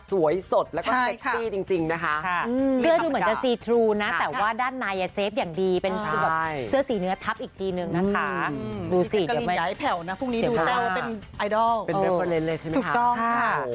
สวยสดและแซ็กซี่จริงนะคะเสื้อเหมือนจะซีทรูนะแต่ว่าด้านในเซฟอย่างดีเป็นเสื้อสีเนื้อทัพอีกทีนึงนะคะ